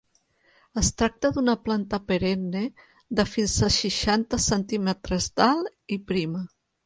Es tracta d'una planta perenne, de fins a seixanta centímetres d'alt i prima.